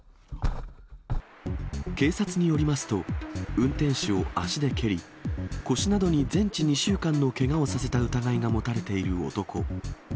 警察によりますと、運転手を足で蹴り、腰などに全治２週間のけがをさせた疑いが持たれている男。